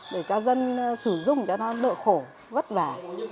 để cho dân sử dụng cho nó đỡ khổ vất vả